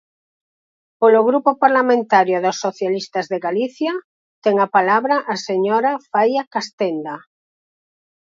Polo Grupo Parlamentario dos Socialistas de Galicia, ten a palabra a señora Faia Castenda.